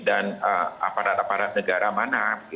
dan aparat aparat negara mana